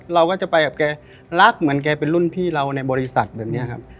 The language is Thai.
เราก็จะไปกับแกรักเหมือนแกเป็นรุ่นพี่เราในบริษัทแบบนี้ครับ